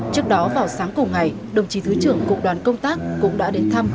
trước đó vào sáng cùng ngày đồng chí thứ trưởng cục đoàn công tác cũng đã đến thăm